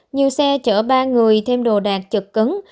nhiều xe chở ba người thêm đồ đạc chật cứng